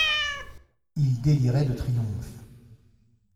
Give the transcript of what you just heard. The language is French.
Il délirait de triomphe.